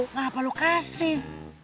kenapa lo kasih